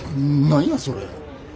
何やそれ。